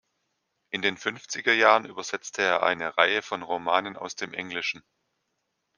In den Fünfzigerjahren übersetzte er eine Reihe von Romanen aus dem Englischen.